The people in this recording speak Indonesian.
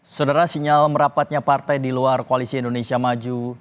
saudara sinyal merapatnya partai di luar koalisi indonesia maju